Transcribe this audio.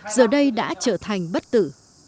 giờ đây đã trở thành bất tử